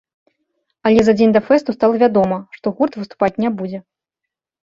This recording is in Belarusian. Але за дзень да фэсту стала вядома, што гурт выступаць не будзе.